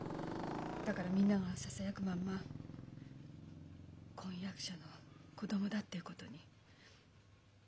だからみんながささやくまんま婚約者の子供だっていうことに。